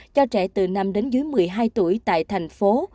cho trẻ từ năm đến dưới một mươi hai tuổi tại thành phố